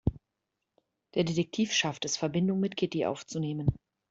Der Detektiv schafft es, Verbindung mit Kitty aufzunehmen.